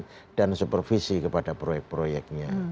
monitoring dan supervisi kepada proyek proyeknya